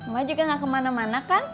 mama juga gak kemana mana kan